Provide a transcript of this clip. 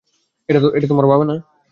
এটা তোমার বাবা না।